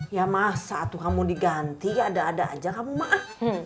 ya masa atuh kamu diganti ya ada ada aja kamu mah